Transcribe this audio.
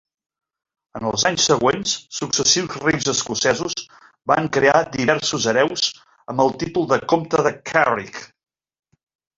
En els anys següents, successius reis escocesos van crear diversos hereus amb el títol de comte de Carrick.